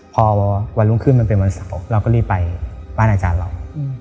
พอวันรุ่งขึ้นมันเป็นวันเสาร์เราก็รีบไปบ้านอาจารย์เรา